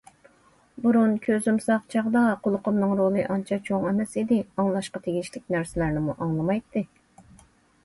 بۇرۇن كۆزۈم ساق چاغدا، قۇلىقىمنىڭ رولى ئانچە چوڭ ئەمەس ئىدى، ئاڭلاشقا تېگىشلىك نەرسىلەرنىمۇ ئاڭلىمايتتى.